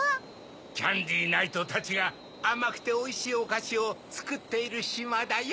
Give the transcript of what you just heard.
キャンディナイトたちがあまくておいしいおかしをつくっているしまだよ。